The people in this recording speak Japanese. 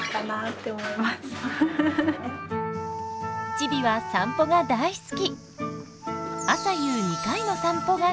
ちびは散歩が大好き。